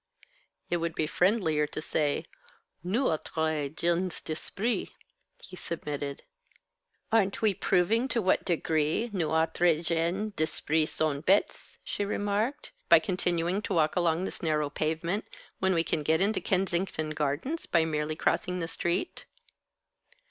"It would be friendlier to say nous autres gens d'esprit," he submitted. "Aren't we proving to what degree nous autres gens d'esprit sont bêtes," she remarked, "by continuing to walk along this narrow pavement, when we can get into Kensington Gardens by merely crossing the street.